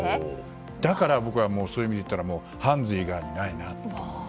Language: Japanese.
だから僕はそういう意味でいったらハンズ以外にないなと。